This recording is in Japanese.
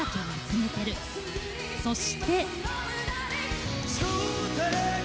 そして。